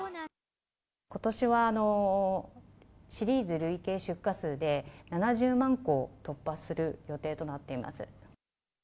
ことしはシリーズ累計出荷数で７０万個突破する予定となっています。